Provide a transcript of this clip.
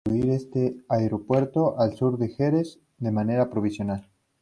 Finalmente se decide construir este aeropuerto al sur de Jerez de manera provisional.